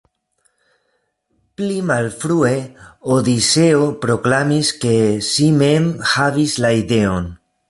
Pli malfrue, Odiseo proklamis, ke si mem havis la ideon.